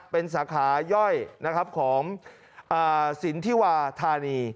เป็นสาขาย่อยของสินธิวาธานี